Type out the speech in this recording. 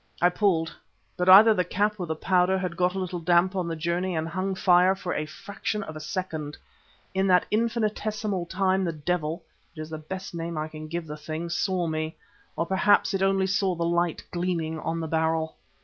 I pulled, but either the cap or the powder had got a little damp on the journey and hung fire for the fraction of a second. In that infinitesimal time the devil it is the best name I can give the thing saw me, or perhaps it only saw the light gleaming on the barrel.